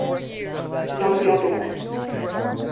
None of your business.